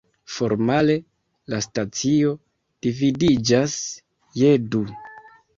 Formale, la stacio dividiĝas je du.